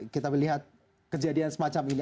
kita melihat kejadian semacam ini